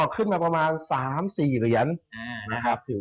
ขึ้นมาประมาณ๓๔เหรียญนะครับ